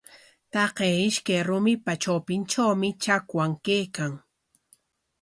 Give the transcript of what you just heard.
Taqay ishkay rumipa trawpintrawmi chakwan kaykan.